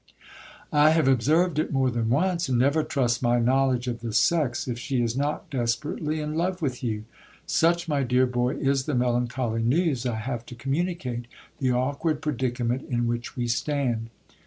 I have observed it more than once ; and never trust my knowledge of the sex, if she is not desperately in love with you. Such, my dear boy, is the melancholy news I have to communicate, the awkward predicament in which we stand.